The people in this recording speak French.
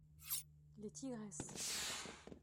Les tigresses.